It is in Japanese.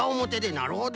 なるほど。